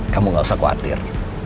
kamu gak usah khawatir